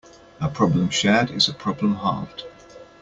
A problem shared is a problem halved.